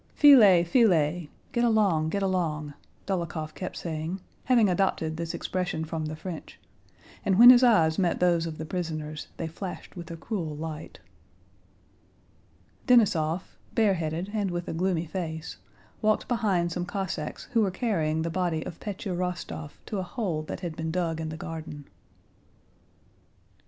"Filez, filez!" * Dólokhov kept saying, having adopted this expression from the French, and when his eyes met those of the prisoners they flashed with a cruel light. * "Get along, get along!" Denísov, bareheaded and with a gloomy face, walked behind some Cossacks who were carrying the body of Pétya Rostóv to a hole that had been dug in the garden.